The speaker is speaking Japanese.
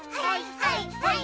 はいはい！